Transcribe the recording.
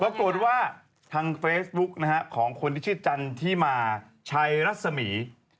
ปรากฏว่าทางเฟซบุ๊คนะครับของคนที่ชื่อจันทร์ที่มาชัยรัศมีร์